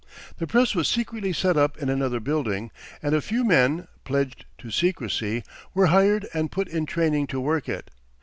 The press was secretly set up in another building, and a few men, pledged to secrecy, were hired and put in training to work it.